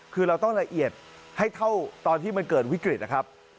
คือเราต้องละเอียดให้เท่าตอนที่มันเกิดวิกฤตนะครับ